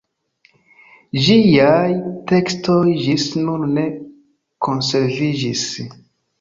Ĝiaj tekstoj ĝis nun ne konserviĝis.